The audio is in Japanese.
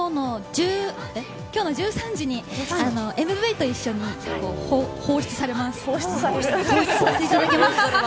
今日の１３時にＭＶと一緒に放出されます。